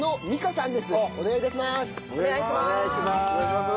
お願い致します。